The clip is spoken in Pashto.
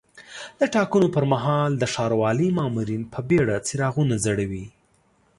د ټاکنو پر مهال د ښاروالۍ مامورین په بیړه څراغونه ځړوي.